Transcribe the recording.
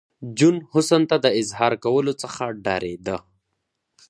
جون حسن ته د اظهار کولو څخه ډارېده